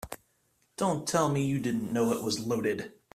Don't tell me you didn't know it was loaded.